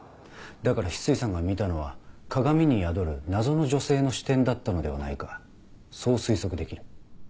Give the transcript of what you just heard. だから翡翠さんが見たのは鏡に宿る謎の女性の視点だったのではないかそう推測できる。